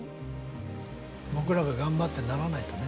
僕らが頑張ってならないとね。